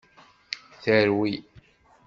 Terwi!